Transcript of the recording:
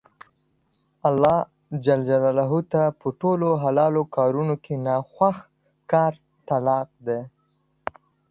الله تعالی ته په ټولو حلالو کارونو کې نا خوښه کار طلاق دی